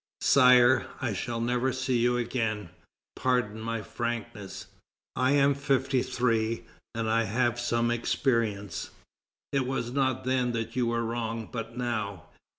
"Sire, I shall never see you again; pardon my frankness; I am fifty three, and I have some experience. It was not then that you were wrong, but now.